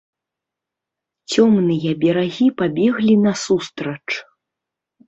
Цёмныя берагі пабеглі насустрач.